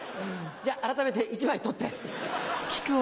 じゃあ改めて１枚取って。